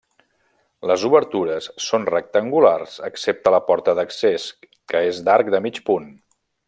Les obertures són rectangulars excepte la porta d'accés, que és d'arc de mig punt.